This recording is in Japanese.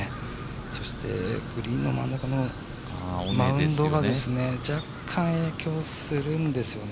そしてグリーンの真ん中のマウンドが若干、影響するんですよね。